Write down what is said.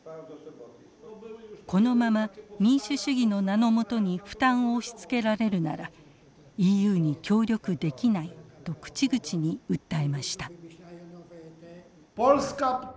このまま民主主義の名の下に負担を押しつけられるならＥＵに協力できないと口々に訴えました。